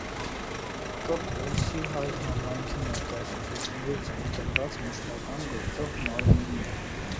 Կ.Պոլսի հայ համայնքի ներկայացուցիչներից ընտրված մշտական գործող մարմիններ։